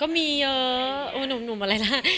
มีคนให้กำลังใจมาหรือเปล่า